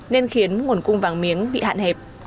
nên khiến nguồn cung vàng miếng bị hạn hẹp